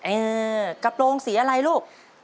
เออกระโปรงสีอะไรลูก